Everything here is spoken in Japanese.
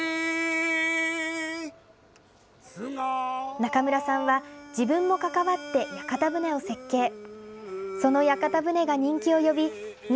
中村さんは、自分も関わって屋形船を設計。